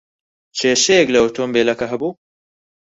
کێشەیەک لە ئۆتۆمۆبیلەکە ھەبوو؟